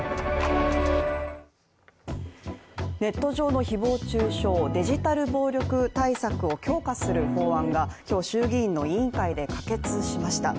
ネット上の誹謗中傷デジタル暴力を強化する法案が今日、衆議院の委員会で可決しました。